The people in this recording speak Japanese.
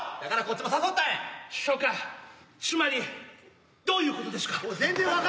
ちゅまりどういうことでしゅか？